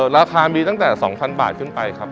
ราคามีตั้งแต่๒๐๐บาทขึ้นไปครับ